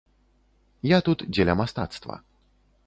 Я тут дзеля мастацтва.